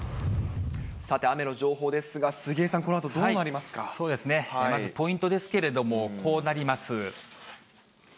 さて、雨の情報ですが、杉江さん、そうですね、まずポイントですけれども、こうなります。